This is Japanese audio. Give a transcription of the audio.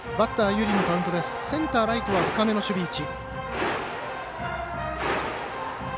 センター、ライトは深めの守備位置。